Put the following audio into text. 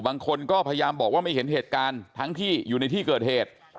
บางคนก็พยายามบอกว่าไม่เห็นเหตุการณ์ทั้งที่อยู่ในที่เกิดเหตุ